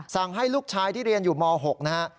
ให้ลูกชายที่เรียนอยู่ม๖นะฮะ